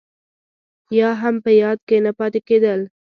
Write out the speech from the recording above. يا هم په ياد کې نه پاتې کېدل.